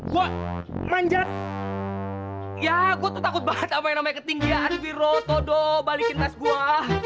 ya gue tuh takut banget sama yang namanya ketinggian biro todo balikin tas gua